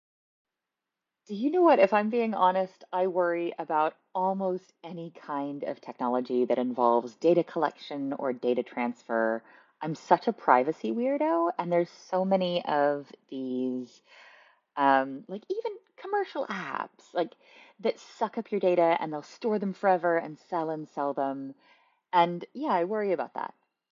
Do you know what? If I'm being honest I worry about almost any kind of technology that involves data collection or data transfer. I'm such a privacy weirdo and there's so many of these ummm.... even commercial apps like suck up your data and they'll store them forever and sell and sell them and yeah, I worry about that.